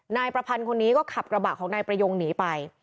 นายประพันธ์คนนี้ก็ขับกระบะของนายประยงหนีไป